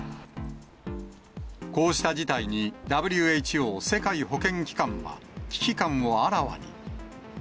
こうした事態にＷＨＯ・世界保健機関は、危機感をあらわに。